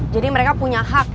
jadi mereka punya hak